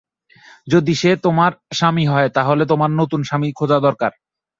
যদি সে তোমার স্বামী হয়, তাহলে তোমার নতুন স্বামী খোজা দরকার।